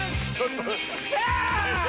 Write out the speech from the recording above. よっしゃ！